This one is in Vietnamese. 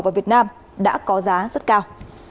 vào việt nam đã có giá rất cao